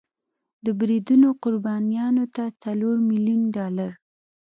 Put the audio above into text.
د بریدونو قربانیانو ته څلور میلیون ډالر